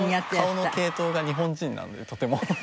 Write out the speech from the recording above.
顔の系統が日本人なのでとても。